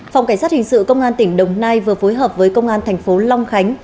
phòng cảnh sát hình sự công an tỉnh đồng nai vừa phối hợp với công an thành phố long khánh